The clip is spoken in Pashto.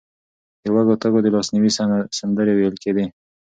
د وږو تږو د لاسنیوي سندرې ویل کېدې.